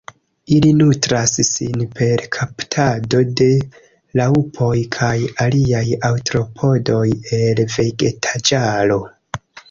Ili nutras sin per kaptado de raŭpoj kaj aliaj artropodoj el vegetaĵaro.